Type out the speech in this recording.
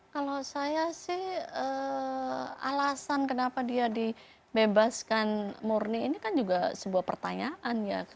kalau saya sih alasan kenapa dia dibebaskan murni ini kan juga sebuah pertanyaan ya